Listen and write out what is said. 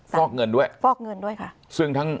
ฟอกเงินด้วยฟอกเงินด้วยค่ะ